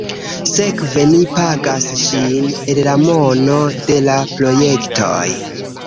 Sekve ni pagas ŝin el la mono de la projektoj.